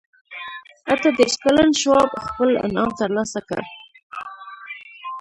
اته دېرش کلن شواب خپل انعام ترلاسه کړ